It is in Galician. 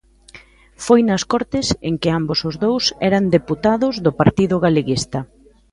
Foi nas Cortes en que ambos os dous eran deputados do Partido Galeguista.